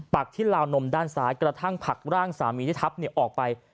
ักที่ลาวนมด้านซ้ายกระทั่งผลักร่างสามีที่ทับออกไป